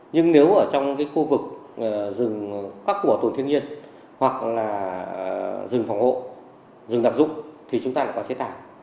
nhưng nếu ở trong cái khu vực rừng phát của tổn thiên nhiên hoặc là rừng phòng hộ rừng đặc dụng thì chúng ta có chế tải